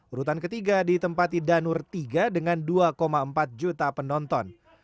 urutan ketiga ditempati danur tiga dengan dua empat juta penonton